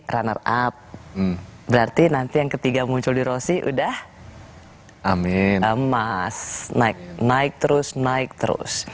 runner up berarti nanti yang ketiga muncul di rosi udah emas naik naik terus naik terus